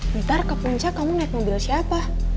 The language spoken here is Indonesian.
bentar ke puncak kamu naik mobil siapa